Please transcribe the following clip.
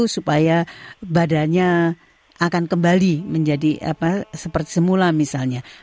supaya badannya akan kembali menjadi seperti semula misalnya